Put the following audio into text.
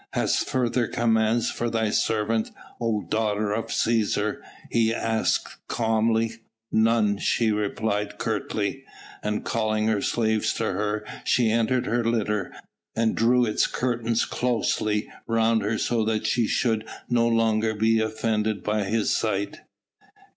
"Hast further commands for thy servant, O daughter of Cæsar?" he asked calmly. "None," she replied curtly. And calling her slaves to her she entered her litter, and drew its curtains closely round her so that she should no longer be offended by his sight.